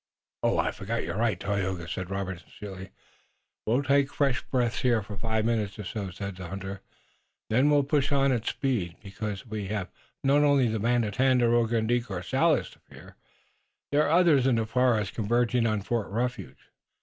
"I forgot. You're right, Tayoga," said Robert sincerely. "We'll take fresh breath here for five minutes or so," said the hunter, "and then we'll push on at speed, because we have not only the band of Tandakora and De Courcelles to fear. There are others in the forest converging on Fort Refuge."